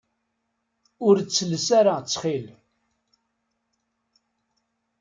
Ur ttelles ara ttxil.